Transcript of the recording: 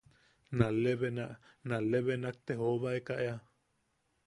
Nalebena, nalebenak te joobaeka ea.